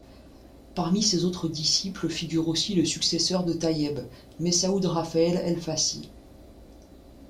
Parmi ses autres disciples figure aussi le successeur de Taïeb, Messaoud-Raphaël El-Fassi.